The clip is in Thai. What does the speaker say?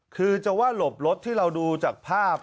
คือจะว่าหลบรถที่เราดูจากภาพ